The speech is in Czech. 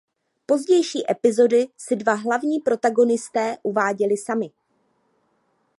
Pozdější epizody si dva hlavní protagonisté uváděli sami.